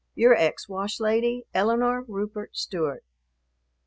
Your ex Washlady, ELINORE RUPERT STEWART.